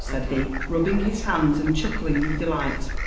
said he, rubbing his hands and chuckling with delight.